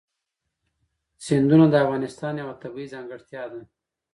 سیندونه د افغانستان یوه طبیعي ځانګړتیا ده.